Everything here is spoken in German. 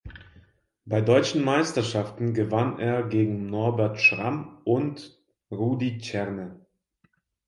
Bei Deutschen Meisterschaften gewann er gegen Norbert Schramm und Rudi Cerne.